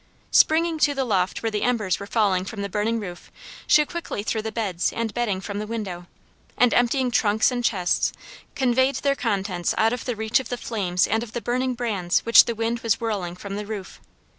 Springing to the loft where the embers were falling from the burning roof, she quickly threw the beds and bedding from the window, and emptying trunks and chests conveyed their contents out of reach of the flames and of the burning brands which the wind was whirling from the roof.